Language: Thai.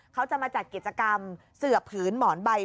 เขาจะมาจัดกิจกรรมเสือบผืนหมอนใบ